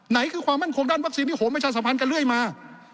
ไหนคือความมั่นคงด้านวัคซีนที่โหมประชาสัมพันธ์กันเรื่อยมา